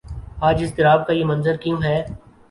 آج اضطراب کا یہ منظر کیوں ہے؟